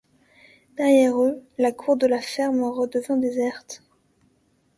Derrière eux, la cour de la ferme redevint déserte.